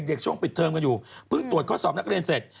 ช่วงปิดเทอมกันอยู่เพิ่งตรวจข้อสอบนักเรียนเสร็จ